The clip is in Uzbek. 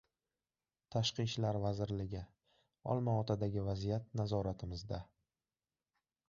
Tashqi ishlar vazirligi: Olmaotadagi vaziyat nazoratimizda